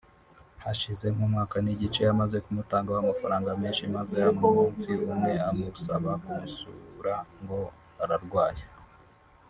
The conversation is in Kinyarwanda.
Hashize nk’umwaka n’igice amaze kumutangaho amafaranga menshi maze umunsi umwe amusaba kumusura ngo ararwaye